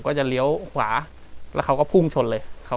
กลับมาที่สุดท้ายและกลับมาที่สุดท้าย